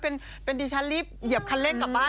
เป็นดิฉันรีบเหยียบคันเร่งกลับบ้าน